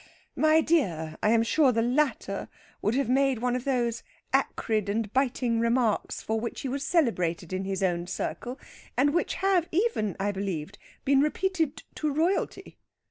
My dear, I am sure the latter would have made one of those acrid and biting remarks for which he was celebrated in his own circle, and which have even, I believe, been repeated by Royalty.